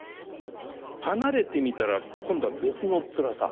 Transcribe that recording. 離れてみたら今度は別のつらさ？